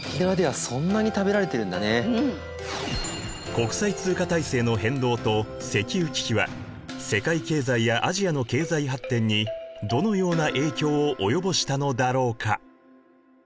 国際通貨体制の変動と石油危機は世界経済やアジアの経済発展にどのような影響を及ぼしたのだろうか？